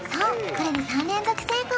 これで３連続成功